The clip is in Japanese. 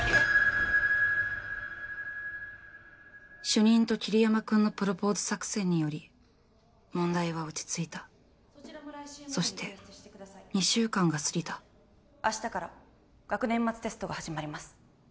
主任と桐山君のプロポーズ作戦により問題は落ち着いたそして２週間が過ぎた明日から学年末テストが始まります